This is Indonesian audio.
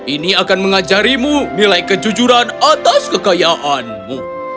ini akan mengajarimu nilai kejujuran atas kekayaanmu